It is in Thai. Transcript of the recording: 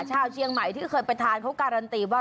ชาวเชียงใหม่ที่เคยไปทานเขาการันตีว่า